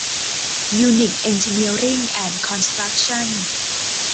ยูนิค เอ็นจิเนียริ่ง แอนด์ คอนสตรัคชั่น